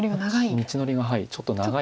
道のりがちょっと長い。